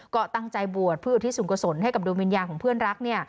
ก็ตั้งใจบวชเพื่ออุทิศสูงกษลให้กับดวงวิญญาณของเพื่อนรักเนี่ย